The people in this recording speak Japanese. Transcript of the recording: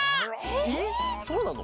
えっそうなの？